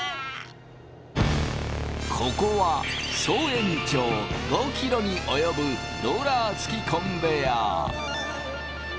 ここは総延長５ｋｍに及ぶローラー付きコンベヤー。